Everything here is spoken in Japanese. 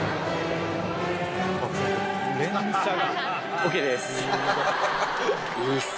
ＯＫです。